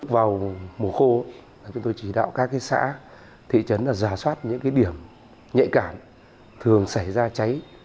vào mùa khô chúng tôi chỉ đạo các xã thị trấn giả soát những điểm nhạy cảm thường xảy ra cháy